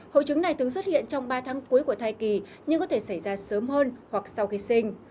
hội chứng này từng xuất hiện trong ba tháng cuối của thai kỳ nhưng có thể xảy ra sớm hơn hoặc sau khi sinh